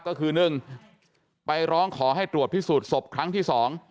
ก็คือ๑ไปร้องขอให้ตรวจพิสูจน์ศพครั้งที่๒